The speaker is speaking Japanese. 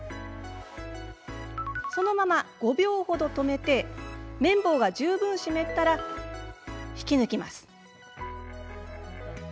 そのまま５秒ほど止めて綿棒が十分湿ったら引き抜きます。